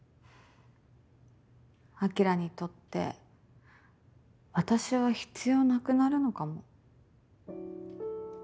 晶にとって私は必要なくなるのかも。